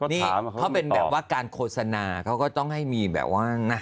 นี่เขาเป็นแบบว่าการโฆษณาเขาก็ต้องให้มีแบบว่านะ